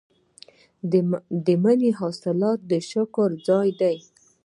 د مني حاصلات د شکر ځای دی.